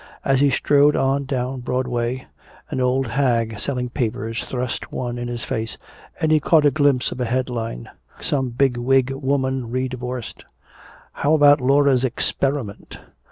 As he strode on down Broadway, an old hag selling papers thrust one in his face and he caught a glimpse of a headline. Some bigwig woman re divorced. How about Laura's "experiment"?